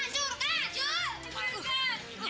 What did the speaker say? anggur gini buah